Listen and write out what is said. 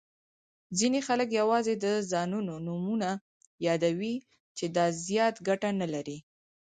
ځیني خلګ یوازي د ځایونو نومونه یادوي، چي دا زیاته ګټه نلري.